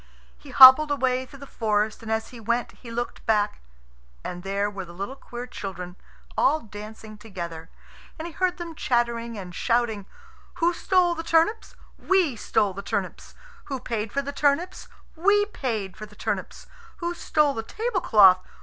He hobbled away through the forest, and as he went he looked back, and there were the little queer children all dancing together, and he heard them chattering and shouting: "Who stole the turnips? We stole the turnips. Who paid for the turnips? We paid for the turnips. Who stole the tablecloth?